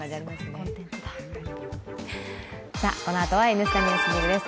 このあとは「Ｎスタ・ＮＥＷＳＤＩＧ」です